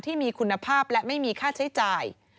ที่มีคุณภาพและไม่มีค่าใช้จ่าย